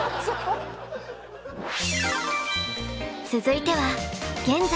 続いては「現在」。